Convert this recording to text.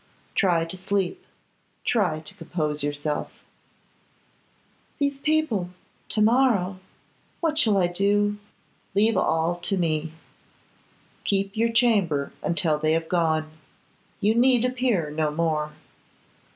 Try to sleep; try to compose yourself.' 'These people to morrow what shall I do?' 'Leave all to me. Keep your chamber until they have gone. You need appear no more.